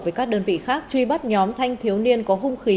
với các đơn vị khác truy bắt nhóm thanh thiếu niên có hung khí